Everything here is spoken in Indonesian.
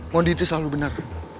modi itu selalu benar